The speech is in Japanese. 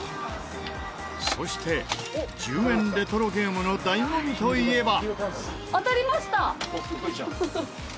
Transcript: そして１０円レトロゲームの醍醐味といえば。